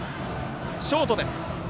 ショートです。